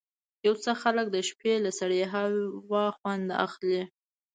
یو څه خلک د شپې له سړې هوا خوند اخلي.